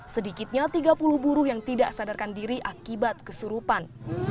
sedikitnya tiga puluh buruh yang tidak sadarkan diri akibat kesurupan